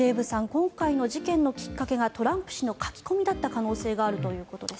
今回の事件のきっかけがトランプ氏の書き込みだった可能性があるということです。